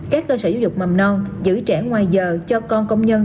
các cơ sở dục mầm non giữ trẻ ngoài giờ cho con công nhân